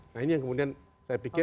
nah ini yang kemudian saya pikir